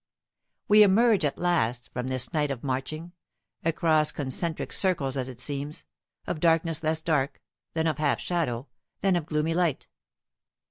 We emerge at last from this night of marching, across concentric circles as it seems, of darkness less dark, then of half shadow, then of gloomy light.